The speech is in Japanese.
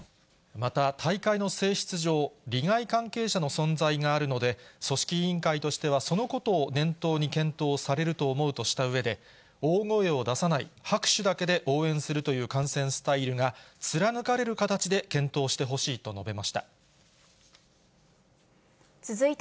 また、大会の性質上、利害関係者の存在があるので、組織委員会としてはそのことを念頭に検討されると思うとしたうえで、大声を出さない、拍手だけで応援するという観戦スタイルが、貫かれる形で検討してほしいと述べました。